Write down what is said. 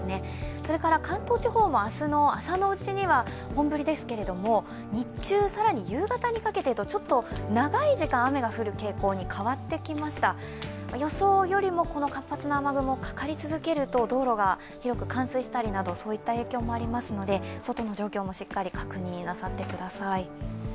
それから関東地方も明日の朝のうちには本降りですけれども、日中、更に夕方にかけてとちょっと長い時間雨が降る傾向に変わってきました予想よりも活発な雨雲かかり続けると道路が広く冠水したりなどそういった影響もありますので外の状況もしっかり確認なさってください。